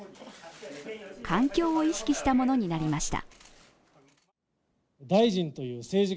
環境を意識したものになりました。